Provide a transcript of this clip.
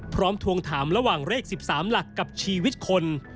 ทวงถามระหว่างเลข๑๓หลักกับชีวิตคน